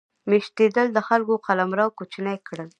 میشتېدل د خلکو قلمرو کوچني کړل.